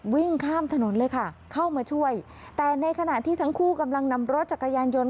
วิ่งข้ามถนนเลยค่ะเข้ามาช่วยแต่ในขณะที่ทั้งคู่กำลังนำรถจักรยานยนต์